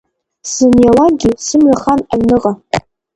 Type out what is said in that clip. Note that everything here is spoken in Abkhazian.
Сзыниалакгьы, сымҩа хан аҩныҟа.